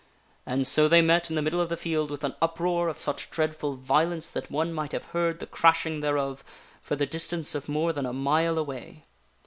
And so they met in the middle of the field with an uproar of such dread ful violence that one might have heard the crashing thereof for the dis tance of more than a mile away.